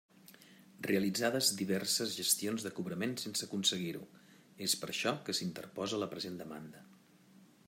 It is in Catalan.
Realitzades diverses gestions de cobrament sense aconseguir-ho, és per això que s'interposa la present demanda.